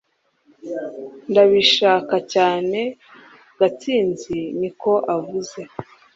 ndabishaka cyane gatsinzi niko avuze